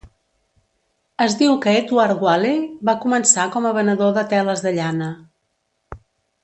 Es diu que Edward Whalley va començar com a venedor de teles de llana.